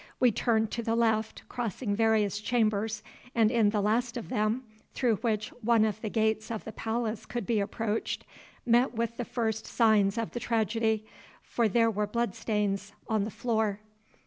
We turned to the left, crossing various chambers, and in the last of them, through which one of the gates of the palace could be approached, met with the first signs of the tragedy, for there were bloodstains on the floor.